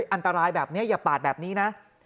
อันตรายแบบนี้อย่าปาดแบบนี้นะ